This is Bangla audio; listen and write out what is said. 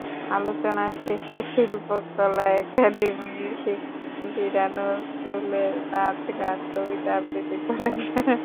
আলোচনা শেষে শিল্পকলা একাডেমির শিল্পীরা নজরুলের নাচ, গান কবিতা আবৃত্তি করেন।